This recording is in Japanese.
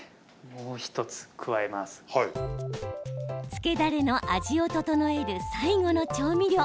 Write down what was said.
漬けだれの味を調える最後の調味料。